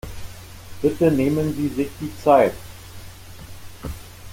Bitte nehmen sie sich die Zeit.